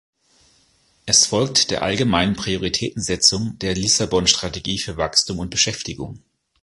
Es folgt der allgemeinen Prioritätensetzung der Lissabon-Strategie für Wachstum und Beschäftigung.